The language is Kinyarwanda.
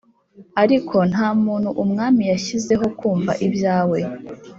ariko nta muntu umwami yashyizeho kumva ibyawe.